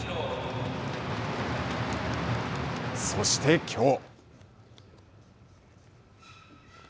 そしてきょう。